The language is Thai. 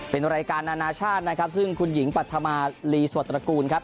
เป็นรายการนานาชาตินะครับซึ่งคุณหญิงปัธมาลีสวตระกูลครับ